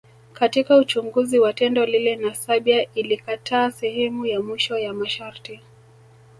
Katika Uchunguzi wa tendo lile na Serbia ilikataa sehemu ya mwisho ya masharti